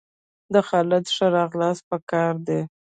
د خالد ښه راغلاست په کار دئ!